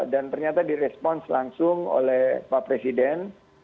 dan ternyata di response langsung oleh pak presiden